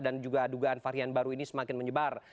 dan juga adugaan varian baru ini semakin menyebar